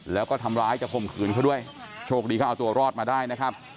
แล้วก็ทำร้ายจะข่มขืนเขาด้วยโชคดีเขาเอาตัวรอดมาได้นะครับ